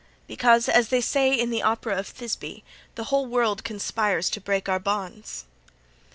"Because, as they say in the opera of 'Thisbe,' 'The whole world conspires to break our bonds.